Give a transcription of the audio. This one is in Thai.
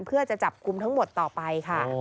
เพื่อจะจับกลุ่มทั้งหมดต่อไปค่ะ